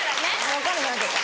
分かんなくなっちゃった。